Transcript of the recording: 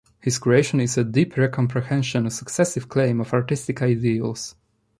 His creation is a deep re-comprehension, successive claim of artistic ideals.